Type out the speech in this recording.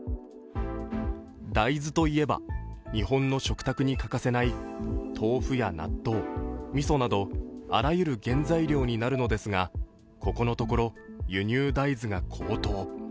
大豆といえば日本の食卓に欠かせない豆腐や納豆、みそなどあらゆる原材料になるのですが、ここのところ、輸入大豆が高騰。